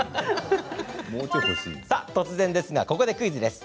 突然ですが、ここでクイズです。